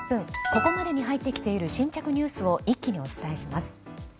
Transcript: ここまでに入っている新着ニュースを一気にお伝えします。